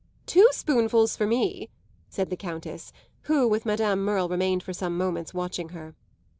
"Two spoonfuls for me," said the Countess, who, with Madame Merle, remained for some moments watching her.